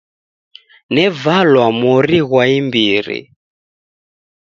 Nevalwa mori ghwa imbiri.